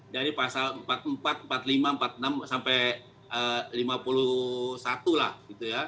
dari pasal empat puluh empat empat puluh lima empat puluh enam sampai lima puluh satu lah gitu ya